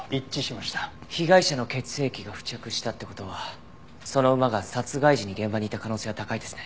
被害者の血液が付着したって事はその馬が殺害時に現場にいた可能性は高いですね。